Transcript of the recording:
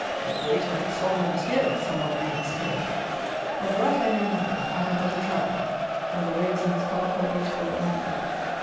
"A greater than Solomon is here!" some one may exclaim. Of that I know nothing. I am but a traveller; and the roads in this park are beautiful indeed.